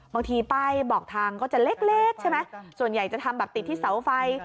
บางทีป้ายบอกทางก็จะเล็กใช่ไหมส่วนใหญ่จะทำแบบติดที่เสาไฟ